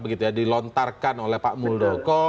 gitu ya dilontarkan oleh pak muldo